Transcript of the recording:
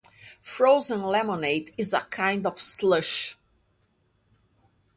Frozen lemonade is a kind of slush.